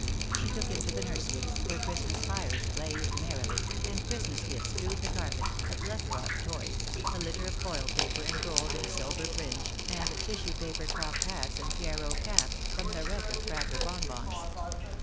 She took him to the nurseries, where Christmas fires blazed merrily, and Christmas gifts strewed the carpet, a plethora of toys, a litter of foil paper and gold and silver fringe, and tissue paper cocked hats and Pierrot caps, from the wreck of cracker bonbons.